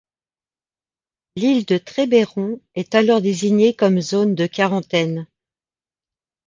L'île de Trébéron est alors désignée comme zone de quarantaine.